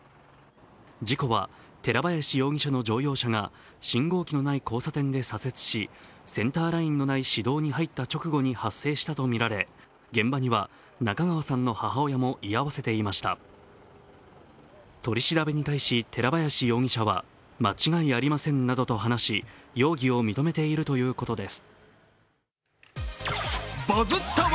事故は寺林容疑者の乗用車が信号機のない交差点で左折し、センターラインのない市道に入った直後に発生したとみられ現場には中川さんの母親も居合わせていました取り調べに対し寺林容疑者は間違いありませんなどと話し容疑を認めているということです。